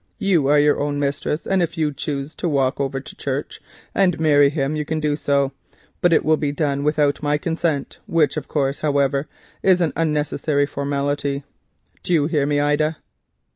You are your own mistress, and if you choose to walk over to church and marry him you can do so, but it will be done without my consent, which of course, however, is an unnecessary formality. Do you hear me, Ida?"